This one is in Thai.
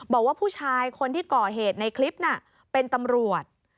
บอกว่าผู้ชายคนที่ก่อเหตุในคลิปน่ะเป็นตำรวจ